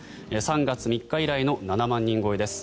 ３月３日以来の７万人超えです。